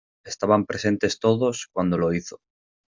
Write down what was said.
Estaban presentes todos, cuando lo hizo.